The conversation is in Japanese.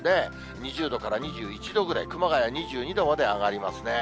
２０度から２１度ぐらい、熊谷２２度まで上がりますね。